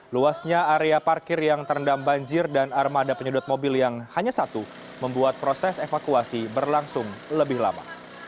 luasnya area parkir yang terendam banjir dan armada penyedot mobil yang hanya satu membuat proses evakuasi berlangsung lebih lama